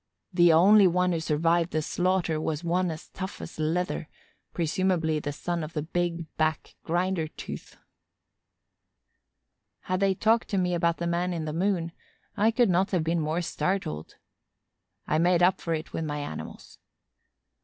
The only one who survived the slaughter was one as tough as leather, presumably the son of the big back grinder tooth. Had they talked to me about the man in the moon, I could not have been more startled. I made up for it with my animals.